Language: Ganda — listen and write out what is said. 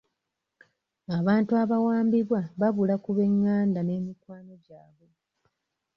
Abantu abawambibwa babula ku b'enganda n'emikwano gyabwe